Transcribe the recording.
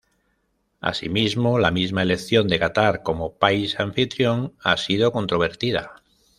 Asimismo, la misma elección de Catar como país anfitrión ha sido controvertida.